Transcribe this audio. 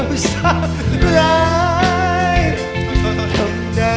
ขอเชิญอาทิตย์สำคัญด้วยค่ะ